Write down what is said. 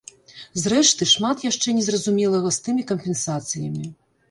Зрэшты, шмат яшчэ незразумелага з тымі кампенсацыямі.